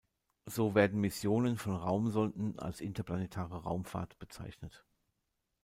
So werden Missionen von Raumsonden als "interplanetare Raumfahrt" bezeichnet.